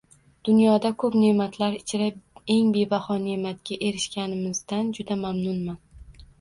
Dunyoda ko‘p ne'matlar ichra eng bebaho ne'matga erishganimizdan juda mamnunman